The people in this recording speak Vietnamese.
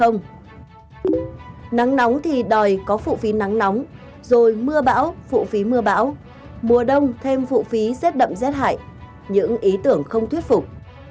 nắng nóng thì đòi có phụ phí nắng nóng rồi mưa bão phụ phí mưa bão mùa đông thêm phụ phí rét đậm rét hại những ý tưởng không thuyết phục